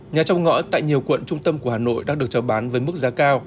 nhà trong ngõ tại nhiều quận trung tâm của hà nội đang được trao bán với mức giá cao